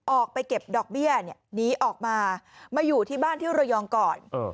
ออกไปเก็บดอกเบี้ยหนีออกมามาอยู่ที่บ้านที่ระยองก่อน